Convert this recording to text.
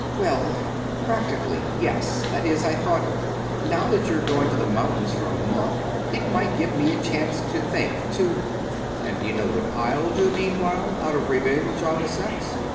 "Well practically yes that is I thought, now that you're going to the mountains for a month, it might give me a chance to think to " "And d'you know what I'll do meanwhile, out of revenge on the sex?